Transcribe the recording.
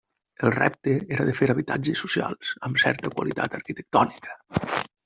El repte era de fer habitatges socials amb certa qualitat arquitectònica.